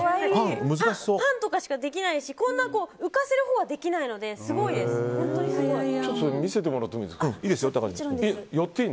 パンとかしかできないしこんな浮かせるほうはできないので見せてもらっていいですか。